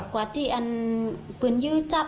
ขวัดถึงเนวปืลยือจับ